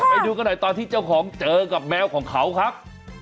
ไปดูกันหน่อยตอนที่เจ้าของเจอกับแมวของเขาครับ